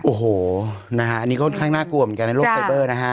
โอ้โหนะฮะอันนี้ค่อนข้างน่ากลัวเหมือนกันในโลกไซเบอร์นะฮะ